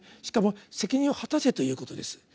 しかも「責任を果たせ」ということです。